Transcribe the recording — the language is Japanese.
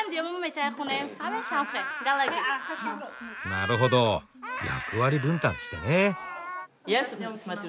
なるほど役割分担してね。